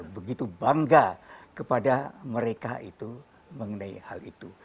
begitu bangga kepada mereka itu mengenai hal itu